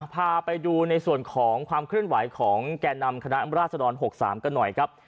พาไปดูในส่วนของความเคลื่อนไหวของแก่นำคณะราชดร๖๓กันหน่อยครับ